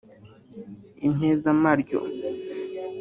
impezamaryo